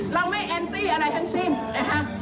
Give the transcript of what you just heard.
เราไม่แอนตี้อะไรให้ซิ่มนะครับ